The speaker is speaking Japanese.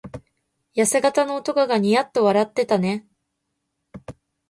やせ型の男がニヤッと笑ってたずねた。